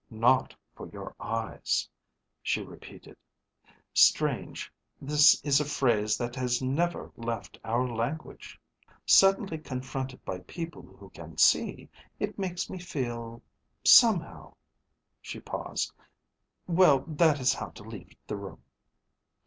Not for your eyes," she repeated. "Strange, this is a phrase that has never left our language. Suddenly, confronted by people who can see, it makes me feel somehow ..." she paused. "Well, that is how to leave the room."